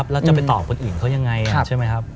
แล้วจะไปต่อคนอื่นเขายังไง